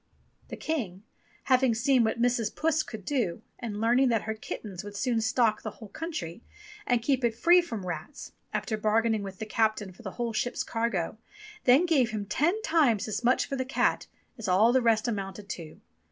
The King having seen what Mrs. Puss could do and learning that her kittens would soon stock the whole country, and keep it free from rats, after bargaining with the captain for the whole ship's cargo, then gave him ten times as much for the cat as all the rest amounted to.